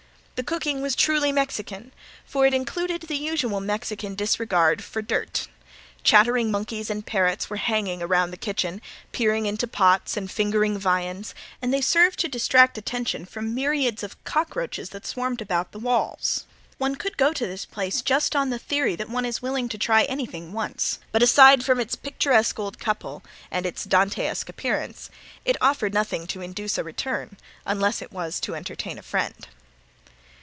The cooking was truly Mexican for it included the usual Mexican disregard for dirt. Chattering monkeys and parrots were hanging around the kitchen, peering into pots and fingering viands, and they served to attract attention from myriads of cockroaches that swarmed about the walls. One could go to this place just on the theory that one is willing to try anything once, but aside from its picturesque old couple, and its Dantesque appearance, it offered nothing to induce a return unless it was to entertain a friend.